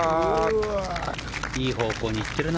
いい方向に行ってるな。